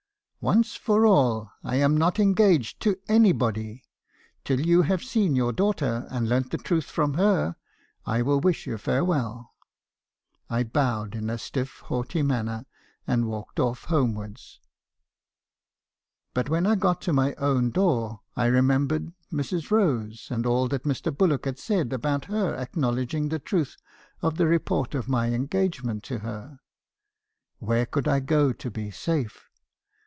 11 ' Once for all, I am not engaged to anybody. Till you have seen your daughter, and learnt the truth from her, I will wish you farewell.' U I bowed in a stiff, haughty manner, and walked off homewards. But when I got to my own door, I remembered Mrs. Rose, and all that Mr. Bullock had said about her acknow ledging the truth of the report of my engagement to her. Where could I go to be safe?